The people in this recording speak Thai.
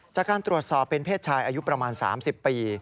จากการตรวจสอบเป็นเพศชายอายุประมาณ๓๐ปี